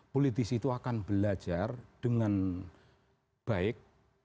politisi itu akan belajar dengan baik